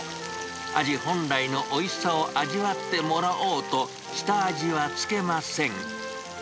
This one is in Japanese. アジ本来のおいしさを味わってもらおうと、下味はつけません。